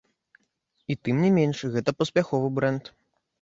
І тым не менш, гэта паспяховы брэнд.